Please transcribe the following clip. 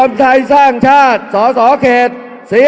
อย่าให้ลุงตู่สู้คนเดียว